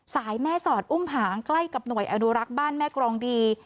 แม่สอดอุ้มหางใกล้กับหน่วยอนุรักษ์บ้านแม่กรองดี